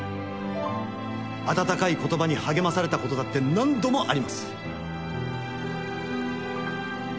温かい言葉に励まされたことだって何度もあります。